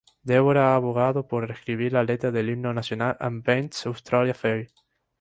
Deborah ha abogado por reescribir, la letra del himno nacional "Advance Australia Fair".